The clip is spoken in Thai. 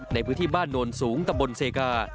ในพื้นที่บ้านโนนสูงตะบนเซกา